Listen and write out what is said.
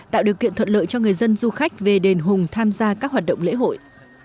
tạo điều kiện thuận lợi cho người dân du khách về đền hùng tham gia các hoạt động lễ hội